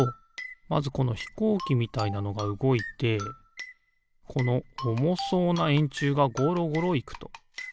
まずこのひこうきみたいなのがうごいてこのおもそうなえんちゅうがゴロゴロいくと。